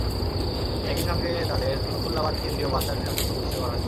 একই সঙ্গে তাঁদের নথুল্লাবাদ কেন্দ্রীয় বাস টার্মিনাল থেকেও বহিষ্কার করা হয়েছে।